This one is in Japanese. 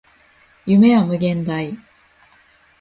夢は無限大